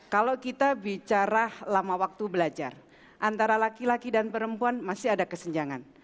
kalau kita bicara lama waktu belajar antara laki laki dan perempuan masih ada kesenjangan